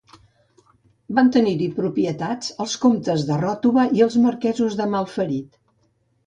Van tenir-hi propietats els comtes de Ròtova i els marquesos de Malferit.